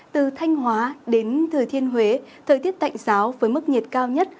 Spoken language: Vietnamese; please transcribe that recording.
từ thanh hóa đến thừa thiên huế thời tiết tạnh giáo với mức nhiệt cao nhất